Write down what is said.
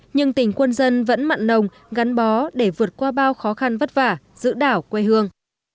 nhưng tỉnh quân dân vẫn mặn nồng gắn bó để vượt qua bao khó khăn vất vả giữ đảo quê hương